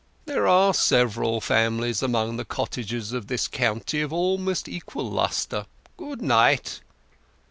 There are several families among the cottagers of this county of almost equal lustre. Good night."